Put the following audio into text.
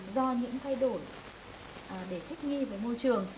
do những thay đổi để thích nghi với môi trường